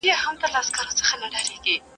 پر ورکه لار ملګري سول روان څه به کوو؟.